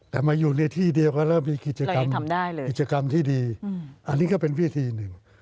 แต่มาอยู่ในที่เดียวก็เริ่มมีกิจกรรมกิจกรรมที่ดีอันนี้ก็เป็นวิธีหนึ่ง